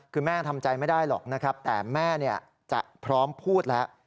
คือแม่ทำใจไม่ได้หรอกนะครับแต่แม่จะพร้อมพูดแล้ว